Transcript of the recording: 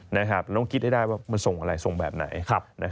ต้องคิดให้ได้ว่ามันส่งอะไรส่งแบบไหน